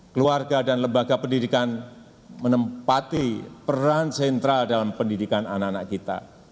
keluarga dan lembaga pendidikan menempati peran sentral dalam pendidikan anak anak kita